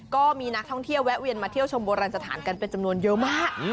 ก็มีนักท่องเที่ยวแวะเวียนมาเที่ยวชมโบราณสถานกันเป็นจำนวนมาก